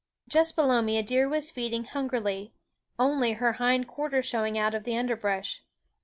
Just below me a deer was feeding hungrily, only her hind quarters showing out of the underbrush.